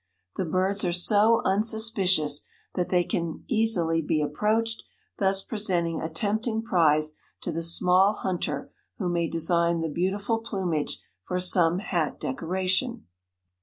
The birds are so unsuspicious that they can easily be approached, thus presenting a tempting prize to the small hunter who may design the beautiful plumage for some hat decoration.